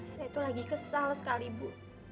saya itu lagi kesal sekali bu